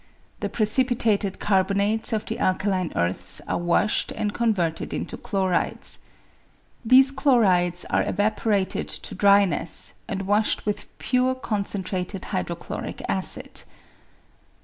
The precipitated car bonates of the alkaline earths are washed and converted into chlorides. These chlorides are evaporated to dryness, and washed with pure concentrated hydrochloric acid.